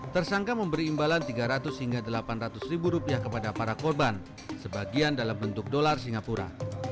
tersangka memberi imbalan tiga ratus hingga delapan ratus ribu rupiah kepada para korban sebagian dalam bentuk dolar singapura